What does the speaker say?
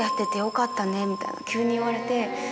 みたいな急に言われて。